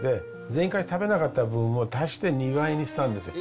前回食べなかった分を足して２倍にしたんですよ。